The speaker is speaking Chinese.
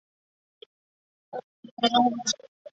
谢富治代表北京市革命委员会讲话。